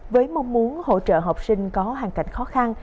với mong muốn hỗ trợ học sinh có hàn cảnh khó khăn